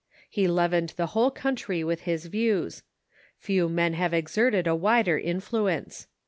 He leavened the whole country with his views. Few men have exerted a wider influence.